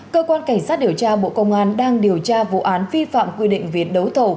cơ quan cảnh sát điều tra bộ công an đang điều tra vụ án vi phạm quy định về đấu thầu